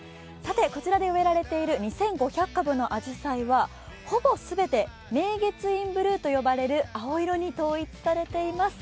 こちらで植えられている２５００株のあじさいはほぼすべて明月院ブルーという青色に統一されています。